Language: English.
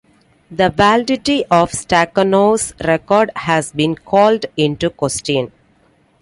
The validity of Stakhanov's record has been called into question.